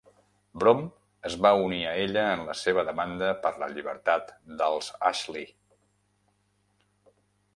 Brom es va unir a ella en la seva demanda per la llibertat dels Ashley.